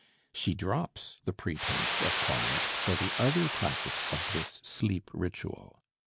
She drops the pretense of quiet for the other practice of this sleep ritual.